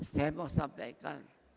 saya mau sampaikan